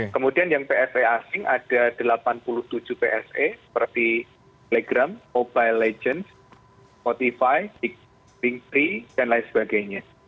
kemudian yang pse asing ada delapan puluh tujuh pse seperti telegram mobile legends spotify bing tiga dan lain sebagainya